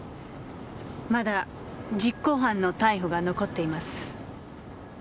まだ実行犯の逮捕が残っています。